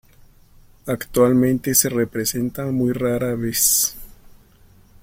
Actualmente se representa muy rara vez.